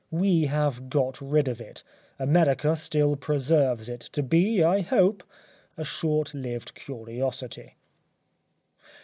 We have got rid of it. America still preserves it, to be, I hope, a short lived curiosity.